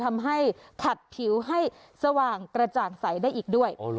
ทำให้ขัดผิวให้สว่างกระจ่างใสได้อีกด้วย